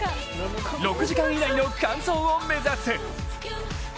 ６時間以内の完走を目指す。